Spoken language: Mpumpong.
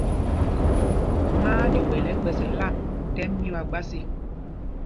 Má á ɗyuɛl ɛgbɛ̄s lām tɛ́m mí wa gbas ê.